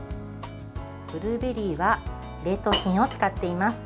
ブルーベリーは冷凍品を使っています。